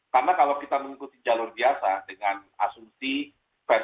karena kalau kita mengikuti jalur biasa dengan asumsi ventilator itu akan diproduksi